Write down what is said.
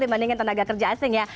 dibandingkan tenaga kerja asing ya